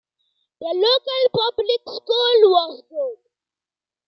The local public school was good.